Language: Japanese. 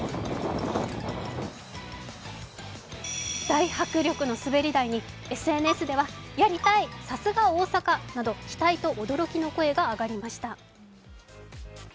大迫力の滑り台にＳＮＳではやりたい、さすが大阪など期待と驚きの声が上がりました。